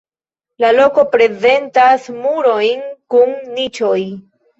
La loko prezentas murojn kun niĉoj.